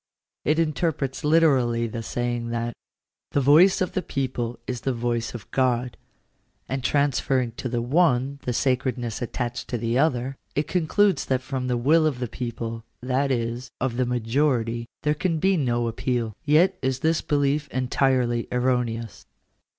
It inter prets literally the saying that " the voice of the people is the voice of God," and transferring to the one the sacredness attached to the other, it concludes that from the will of the people, that is, of the majority, there can be no appeal. Yet is \ l . this belief entirely erroneous.